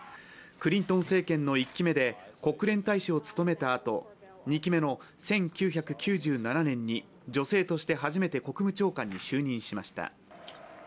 クリントン政権の１期目で国連大使を務めたあと、２期目の１９９７年に女性として初めて国務長官に就任しました。